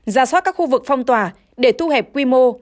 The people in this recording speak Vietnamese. ra soát các khu vực phong tỏa để thu hẹp quy mô